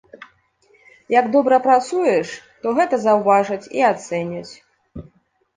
Як добра працуеш, то гэта заўважаць і ацэняць.